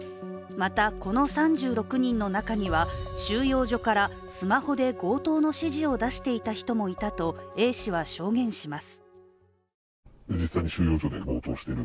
また、この３６人の中には、収容所からスマホで強盗の指示を出していた人もいたとＡ氏は証言します。